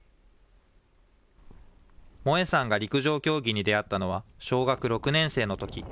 萌恵さんが陸上競技に出会ったのは、小学６年生の時。